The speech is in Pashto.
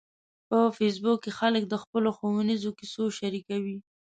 په فېسبوک کې خلک د خپلو ښوونیزو کیسو شریکوي